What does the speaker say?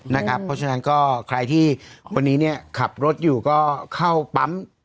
เพราะฉะนั้นก็ใครที่คนนี้ขับรถอยู่ก็เข้าปั๊ม